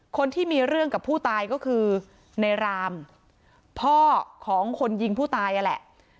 คนที่มีเรื่องกับผู้ตายก็คือในรามพ่อของคนยิงผู้ตายนั่นแหละ